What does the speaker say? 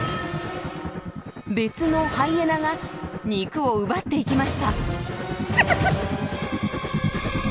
別のハイエナが肉を奪っていきました。